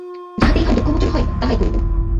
যাহাতে ইহার দুঃখ মােচন হয়, তাহাই করিব।